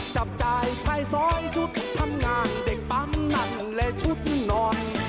จับจ่ายชายซอยชุดทำงานเด็กปั๊มนั่นและชุดนอน